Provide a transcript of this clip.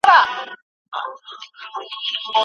څه شی کولای سي د ناوړه شور په کمولو کي مرسته وکړي؟